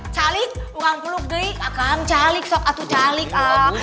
calik bukan peluk di akan calik sokak itu calik ah